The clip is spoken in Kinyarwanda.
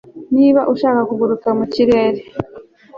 niba ushaka kuguruka mu kirere